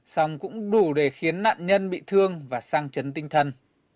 xong cũng đủ để khiến nạn nhân bị thương và sang chấn tinh thần